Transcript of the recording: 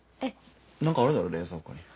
なんかあるだろ冷蔵庫に。